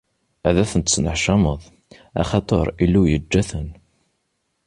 Ad ten-tesneḥcameḍ, axaṭer Illu yeǧǧa-ten.